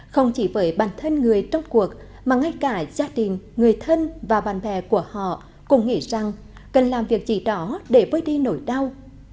không chỉ với bản thân người trong cuộc mà ngay cả gia đình người thân và bạn bè của họ cũng nghĩ rằng cần làm việc gì đó để vơi đi nỗi đau